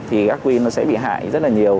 thì các quy nó sẽ bị hại rất là nhiều